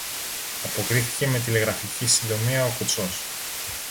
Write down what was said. αποκρίθηκε με τηλεγραφική συντομία ο κουτσός.